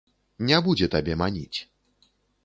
Не будзе табе маніць.